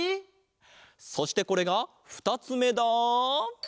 そしてこれが２つめだ！